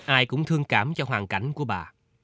ai cũng thương cảm cho hoàn cảnh của bà